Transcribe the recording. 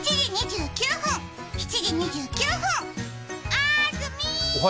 あずみー。